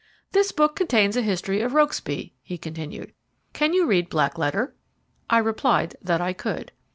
"This book contains a history of Rokesby," he continued. "Can you read black letter?" I replied that I could.